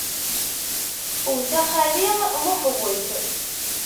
Wwet a xali Muḥ, wwet!